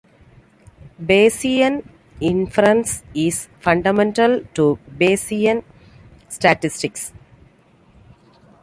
Bayesian inference is fundamental to Bayesian statistics.